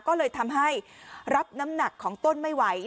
ก็เลยทำให้รับน้ำหนักของต้นไม่ไหว